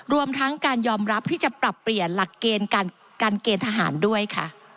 รวมทั้งการยอมรับที่จะปรับเปลี่ยนหลักเกณฑ์การเกณฑ์ทหารด้วยค่ะ